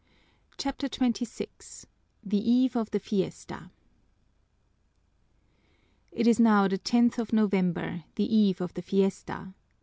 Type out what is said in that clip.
CHAPTER XXVI The Eve of the Fiesta It is now the tenth of November, the eve of the fiesta.